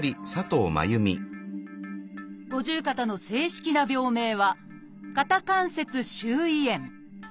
「五十肩」の正式な病名は「肩関節周囲炎」。